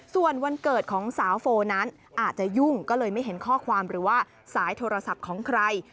ส่วนวันเกิดของสาวโฟนั้นอาจจะยุ่งก็เลยไม่เห็นข้อความหรือว่าสายโทรศัพท์ของใคร